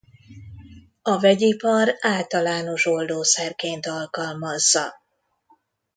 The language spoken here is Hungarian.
A vegyipar általános oldószerként alkalmazza.